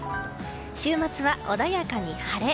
週末は穏やかに晴れ。